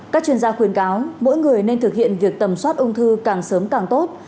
các chuyên gia khuyên cáo mỗi người nên thực hiện việc tầm soát ung thư càng sớm càng tốt